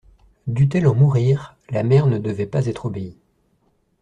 Dût-elle en mourir, la mère ne devait pas être obéie.